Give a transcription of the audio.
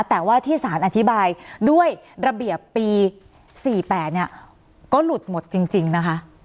แต่ว่าที่สารอธิบายด้วยระเบียบปี๔๘เนี่ยก็หลุดหมดจริงนะคะ